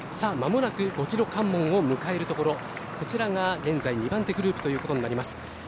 間もなく５キロ関門を迎えるところこちらが現在２番手グループということになります。